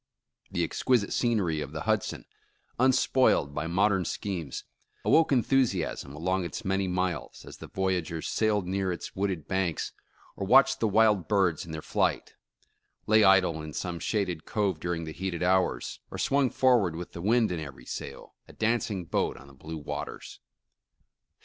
The exquisite scenery of the Hudson, unspoiled by modern schemes, awoke enthusiasm along its many miles, as the voyagers sailed near its wooded banks, or watched the wild birds in their flight ; lay idle in some shaded cove during the heated hours, or swung forward with the wind in every sail, a dancing boat on the blue waters.